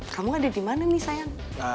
kamu ada dimana nih sayang